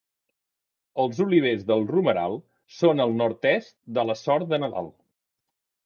Els Olivers del Romeral són al nord-oest de la Sort de Nadal.